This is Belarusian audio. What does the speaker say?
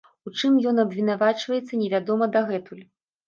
У чым ён абвінавачваецца, невядома дагэтуль.